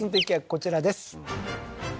こちらです